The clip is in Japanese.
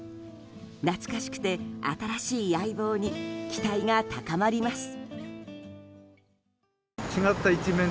懐かしくて新しい「相棒」に期待が高まります。